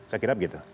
saya kira begitu